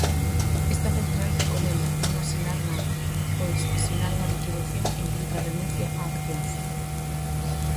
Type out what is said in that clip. Esta central recomenda "non asinar nada" pois "asinar unha liquidación implica renuncia a accións".